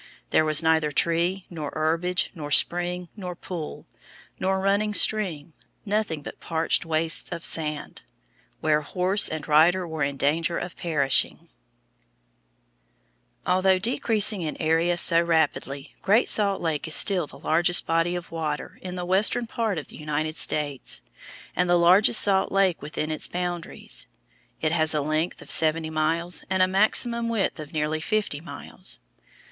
There was neither tree, nor herbage, nor spring, nor pool, nor running stream, nothing but parched wastes of sand, where horse and rider were in danger of perishing." [Illustration: FIG. 52. SCENE ON GREAT SALT LAKE] Although decreasing in area so rapidly, Great Salt Lake is still the largest body of water in the western part of the United States, and the largest salt lake within its boundaries. It has a length of seventy miles and a maximum width of nearly fifty miles.